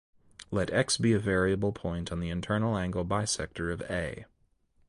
Let "X" be a variable point on the internal angle bisector of "A".